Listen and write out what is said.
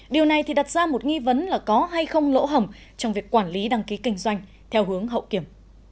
điều này thì đặt ra một nghi vấn là có hay không lỗ hỏng trong việc quản lý đăng ký kinh doanh theo hướng hậu kiểm